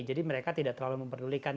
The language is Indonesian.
jadi mereka tidak terlalu memperdulikan